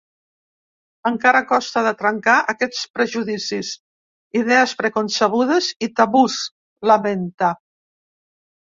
Encara costa de trencar aquests prejudicis, idees preconcebudes i tabús, lamenta.